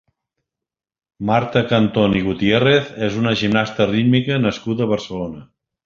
Marta Cantón i Gutiérrez és una gimnasta rítmica nascuda a Barcelona.